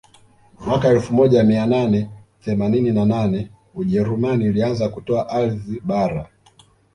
Mwaka elfu moja mia nane themanini na nane ujerumani ilianza kutoa ardhi bara